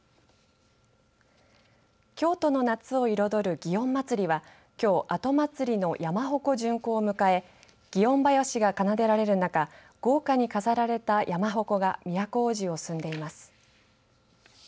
京都の夏を彩る祇園祭はきょう後祭の山鉾巡行を迎え祇園囃子が奏でられる中豪華に飾られた山鉾が都大路を進んでいます。